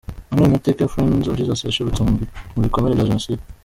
Amwe mu mateka ya Friends of Jesus yashibutse mu bikomere bya Jenoside.